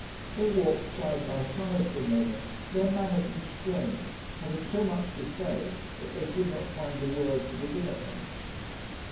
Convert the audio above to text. They walked side by side for a moment, their manner constrained, having so much to say that they could not find a word to begin upon.